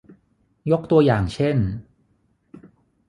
ยกตัวอย่างเช่น